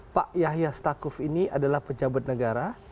pak yahya stakuf ini adalah pejabat negara